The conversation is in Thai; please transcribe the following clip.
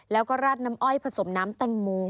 แล้วก็ราดน้ำอ้อยผสมน้ำแตงโม